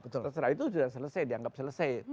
betul terserah itu sudah selesai dianggap selesai